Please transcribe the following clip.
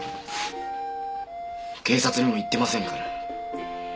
警察にも言ってませんから。